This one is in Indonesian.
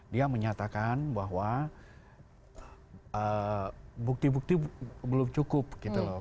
dia menyatakan bahwa bukti bukti belum cukup gitu loh